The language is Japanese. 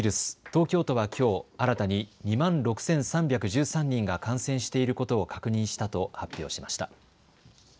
東京都はきょう新たに２万６３１３人が感染していることを確認したと発表しました。